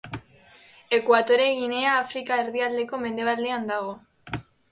Ekuatore Ginea Afrika erdialdeko mendebaldean dago.